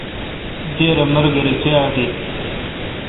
دِر املگر اے چے° اٹیل۔